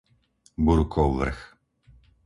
Burkov vrch